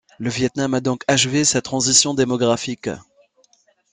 Le Viêt Nam a donc achevé sa transition démographique.